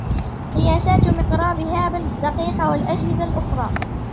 قياسات مقراب هابل الدقيقة والأجهزة الأخرى